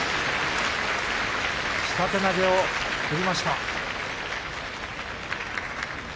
下手投げを打ちました。